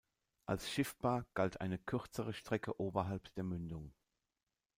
Als schiffbar galt eine kürzere Strecke oberhalb der Mündung.